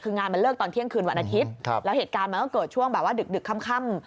คืองานมันเลิกตอนเที่ยงคืนวันอาทิตย์แล้วเหตุการณ์มันก็เกิดช่วงแบบว่าดึกค่ำ